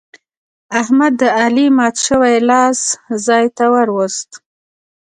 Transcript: احمد د علي مات شوی لاس ځای ته ور ووست.